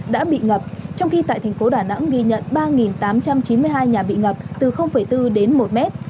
đã bị ngập trong khi tại thành phố đà nẵng ghi nhận ba tám trăm chín mươi hai nhà bị ngập từ bốn đến một mét